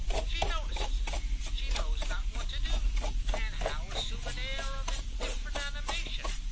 She notices it, she knows not what to do, and how assume an air of indifferent animation?